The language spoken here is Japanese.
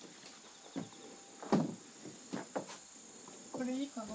これいいかな。